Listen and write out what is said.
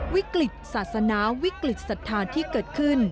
วิกฤตศาสนาวิกฤตศรัทธาที่เกิดขึ้น